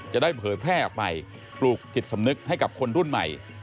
จะได้เผยแพร่ออกไปปลูกจิตสำนึกให้กับคนรุ่นใหม่